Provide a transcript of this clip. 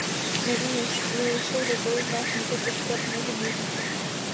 Nevím, jestli se kdokoliv z vás může počítat mezi buřiče.